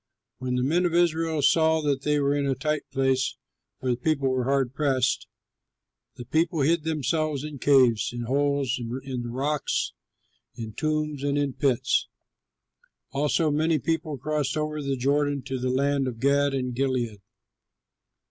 When the men of Israel saw that they were in a tight place (for the people were hard pressed), the people hid themselves in caves, in holes, in the rocks, in tombs, and in pits. Also many people crossed over the Jordan to the land of Gad and Gilead.